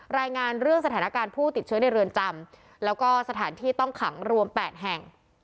รายงานเรื่องสถานการณ์ผู้ติดเชื้อในเรือนจำแล้วก็สถานที่ต้องขังรวม๘แห่ง